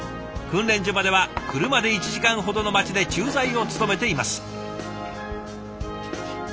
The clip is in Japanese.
訓練所までは車で１時間ほどの町で駐在を務めています。